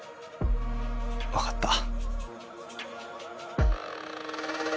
わかった。